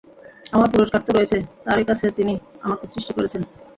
আমার পুরস্কার তো রয়েছে তারই কাছে যিনি আমাকে সৃষ্টি করেছেন।